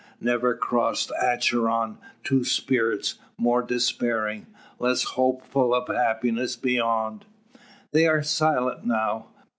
Never crossed Acheron two spirits more despairing less hopeful of happiness beyond. They are silent now.